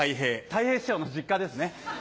たい平師匠の実家ですね。